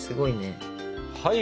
はい！